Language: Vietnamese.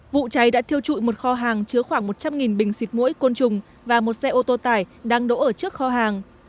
vụ cháy đã thiêu trụi một kho hàng chứa khoảng một trăm linh bình xịt mũi côn trùng và một xe ô tô tải đang đỗ ở trước kho hàng